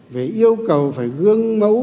về yêu cầu phải gương mấu